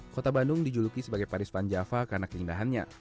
kota bandung dijuluki sebagai paris van java karena keindahannya